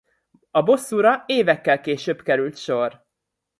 A bosszúra évekkel később került sor.